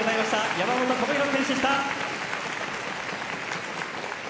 山本智大選手でした。